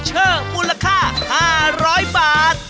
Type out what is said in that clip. ก็เช่อมูลค่า๕๐๐บาท